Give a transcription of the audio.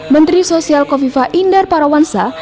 menteri sosial kofifah indar parawangsa